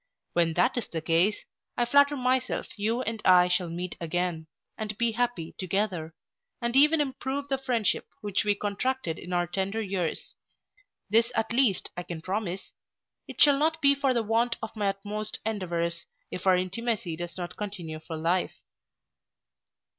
When that is the case, I flatter myself you and I shall meet again, and be happy together; and even improve the friendship which we contracted in our tender years. This at least I can promise It shall not be for the want of my utmost endeavours, if our intimacy does not continue for life.